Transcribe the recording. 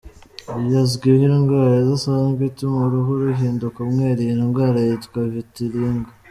Uyu azwiho indwara idasanzwe ituma uruhu ruhinduka umweru, iyi ndwara yitwa vitiligo.